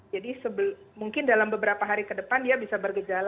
jadi mungkin dalam beberapa hari ke depan dia bisa bergejala